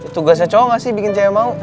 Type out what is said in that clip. tugasnya cowok gak sih bikin cewek mau